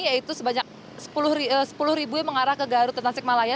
yaitu sebanyak sepuluh ribu yang mengarah ke garut dan tasikmalaya